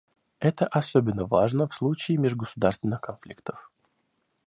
Это особенно важно в случае межгосударственных конфликтов.